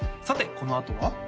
さてこのあとは？